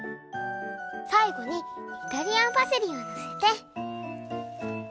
さいごにイタリアンパセリをのせて。